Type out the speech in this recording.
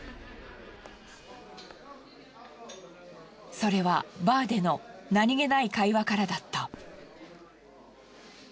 それはバーでの何気ない会話からだった。